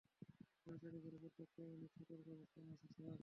তাড়াতাড়ি করো প্রত্যেক ইউনিট সর্তক অবস্থানে আছে স্যার।